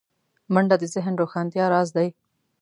منډه د ذهن روښانتیا راز دی